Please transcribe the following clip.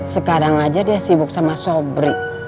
sekarang aja dia sibuk sama sobri